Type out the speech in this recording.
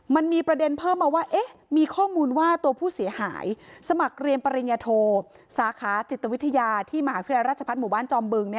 มันมีประเด็นเพิ่มมาว่ามีข้อมูลว่าตัวผู้เสียหายสมัครเรียนปริญญาโทสาขาจิตวิทยาที่มหาวิทยาลัยราชพัฒน์หมู่บ้านจอมบึง